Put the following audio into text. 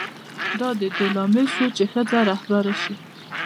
دا د دې لامل شو چې ښځه رهبره شي.